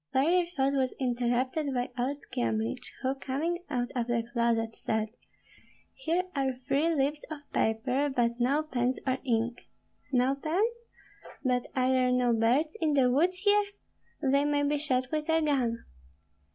Further thought was interrupted by old Kyemlich, who, coming out of the closet, said, "Here are three leaves of paper, but no pens or ink." "No pens? But are there no birds in the woods here? They may be shot with a gun."